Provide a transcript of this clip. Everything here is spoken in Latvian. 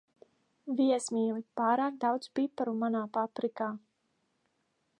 Viesmīli, pārāk daudz piparu manā paprikā.